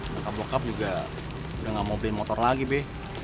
nyokap bokap juga udah gak mau beliin motor lagi be